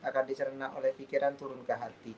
akan dicerna oleh pikiran turun ke hati